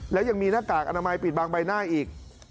แล้วยังมีหน้ากากอนามัยปิดบางใบหน้าอีก